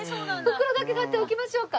袋だけ買っておきましょうか？